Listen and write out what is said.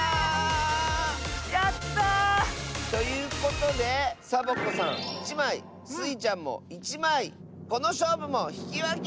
やった！ということでサボ子さん１まいスイちゃんも１まいこのしょうぶもひきわけ！